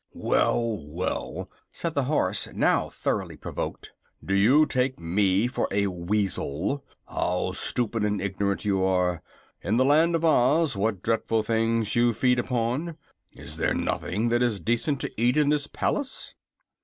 "Well, well!" said the horse, now thoroughly provoked. "Do you take me for a weasel? How stupid and ignorant you are, in the Land of Oz, and what dreadful things you feed upon! Is there nothing that is decent to eat in this palace?"